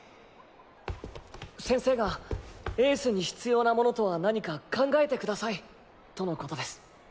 先生が「エースに必要なものとは何か考えてください」とのことです。